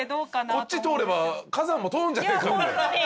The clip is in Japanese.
こっち通れば「火山」も通るんじゃないかって。